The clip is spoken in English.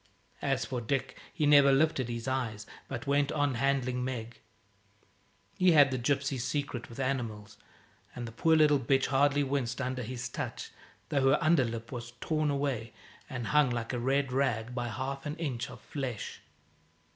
As for Dick, he never lifted his eyes, but went on handling Meg. He had the gypsy's secret with animals, and the poor little bitch hardly winced under his touch, though her under lip was torn away, and hung, like a red rag, by half an inch of flesh.